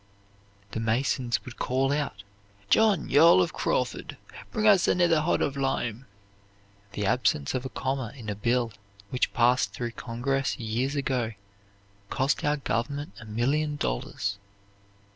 The masons would call out, "John, Yearl of Crawford, bring us anither hod o' lime." The absence of a comma in a bill which passed through Congress years ago cost our government a million dollars.